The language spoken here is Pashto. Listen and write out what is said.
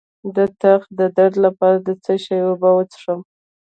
د تخه د درد لپاره د څه شي اوبه وڅښم؟